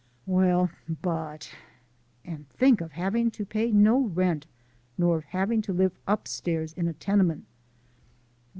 "Well, but " "And think of having to pay no rent, nor of having to live upstairs in a tenement!"